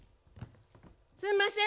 すんません。